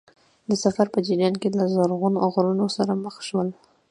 د سفر په جریان کې له زرغون غرونو سره مخ شول.